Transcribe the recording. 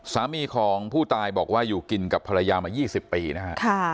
สามีของผู้ตายบอกว่าอยู่กินกับภรรยามา๒๐ปีนะฮะ